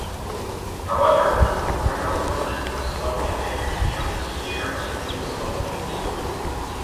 However, criminal elements of smuggling may reach beyond the sphere of human smuggling.